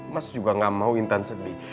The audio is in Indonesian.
mas juga gak mau intens sedih